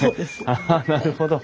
ああなるほど。